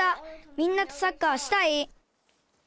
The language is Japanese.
みんなとサッカーしたい！